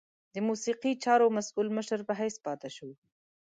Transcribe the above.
د موسیقي چارو مسؤل مشر په حیث پاته شو.